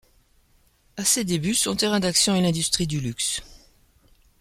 À ses débuts, son terrain d’action est l’industrie du luxe.